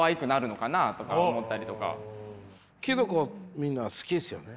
みんな好きですよね。